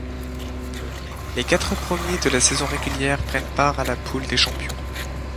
Les quatre premiers de la saison régulière prennent part à la poule des champions.